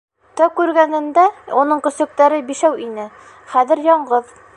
Тәү күргәнендә уның көсөктәре бишәү ине, хәҙер яңғыҙ.